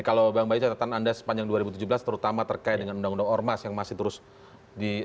kalau bang bayu catatan anda sepanjang dua ribu tujuh belas terutama terkait dengan undang undang ormas yang masih terus di